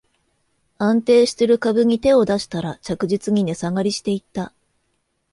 安定してる株に手を出したら、着実に値下がりしていった